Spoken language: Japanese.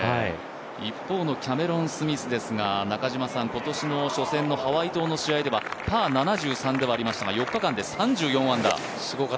一方のキャメロン・スミスですが今年の初戦のハワイ島の試合では、パー７３ではありましたが、４日間で３４アンダー。